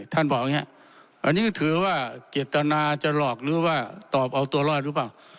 ท่านบอกอย่างงี้อันนี้ถือว่าเกียรตนาจะหลอกหรือว่าตอบเอาตัวรอดรู้ป่ะ